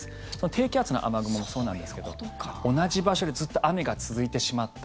低気圧の雨雲もそうなんですけど同じ場所でずっと雨が続いてしまった。